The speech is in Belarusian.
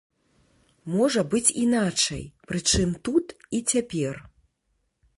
Можа быць іначай, прычым тут і цяпер.